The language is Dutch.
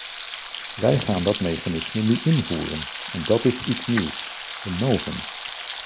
Wij gaan dat mechanisme nu invoeren, en dat is iets nieuws, een novum.